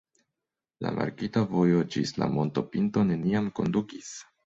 La markita vojo ĝis la montopinto neniam kondukis.